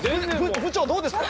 部長どうですか。